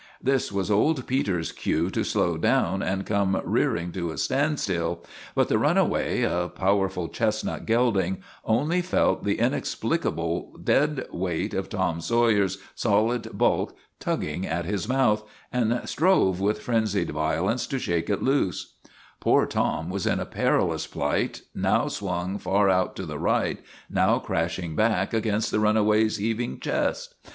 This was old Peter's cue to slow down and come rearing to a standstill, but the run away, a powerful chestnut gelding, only felt the in explicable dead weight of Tom Sawyer's solid bulk tugging at his mouth and strove with frenzied vio lence to shake it loose. TOM SAWYER OF THE MOVIES 281 Poor Tom was in a perilous plight, now swung far out to the right, now crashing back against the runaway's heaving chest.